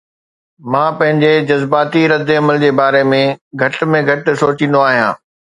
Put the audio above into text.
مان پنهنجي جذباتي ردعمل جي باري ۾ گهٽ ۾ گهٽ سوچيندو آهيان